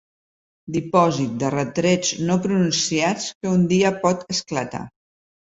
Dipòsit de retrets no pronunciats que un dia pot esclatar.